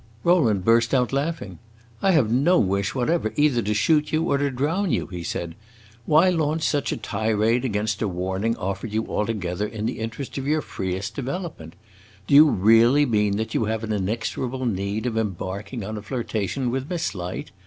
Rowland burst out laughing. "I have no wish whatever either to shoot you or to drown you!" he said. "Why launch such a tirade against a warning offered you altogether in the interest of your freest development? Do you really mean that you have an inexorable need of embarking on a flirtation with Miss Light?